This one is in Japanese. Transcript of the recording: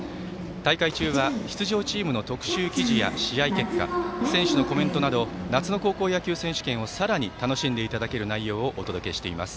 大会中は、出場チームの特集記事や試合結果選手のコメントなど夏の高校野球選手権をさらに楽しんでいただける内容をお届けしています。